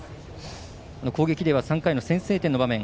攻撃では３回の先制点の場面